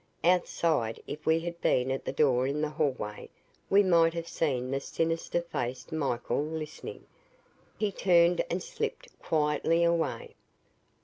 Outside, if we had been at the door in the hallway, we might have seen the sinister faced Michael listening. He turned and slipped quietly away.